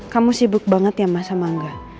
kamu sibuk banget ya sama angga